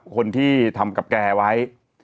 คนที่ทำกับแกไว้